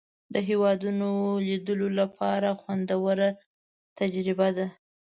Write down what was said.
د هېوادونو لیدلو لپاره خوندوره تجربه ده.